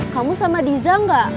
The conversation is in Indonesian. kamu sama diza gak